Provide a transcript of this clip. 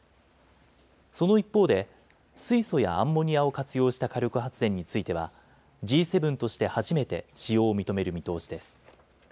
その一方で、水素やアンモニアを活用した火力発電については、Ｇ７として初めて使用を認める見通しです。